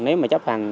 nếu mà chấp hành